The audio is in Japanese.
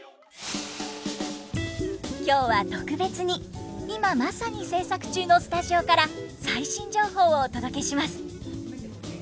今日は特別に今まさに制作中のスタジオから最新情報をお届けします。